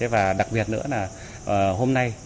và đặc biệt nữa là hôm nay